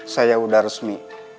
saya udah resmi